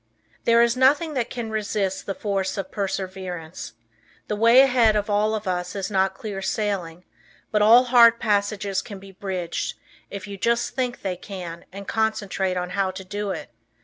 There is nothing that can resist the force of perseverance. The way ahead of all of us is not clear sailing, but all hard passages can be bridged, if you just think they can and concentrate on how to do it.